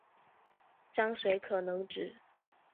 章水可能指